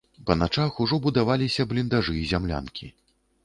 Па начах ужо будаваліся бліндажы і зямлянкі.